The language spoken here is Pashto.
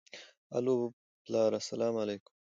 الو پلاره سلام عليک.